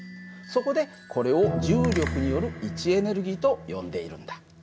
そこでこれを重力による位置エネルギーと呼んでいるんだ。